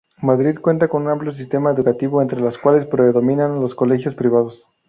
Madrid cuenta con un amplio sistema educativo entre los cuales predominan los colegios privados.